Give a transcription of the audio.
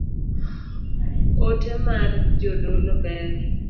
Ote mar jodolo ber